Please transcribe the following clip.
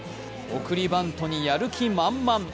送りバントにやる気満々。